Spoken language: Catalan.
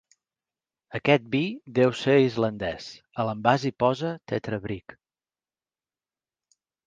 Aquest vi deu ser islandès, a l'envàs hi posa 'Tetrabrik'.